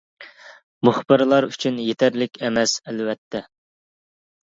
مۇخبىرلار ئۈچۈن يېتەرلىك ئەمەس ئەلۋەتتە.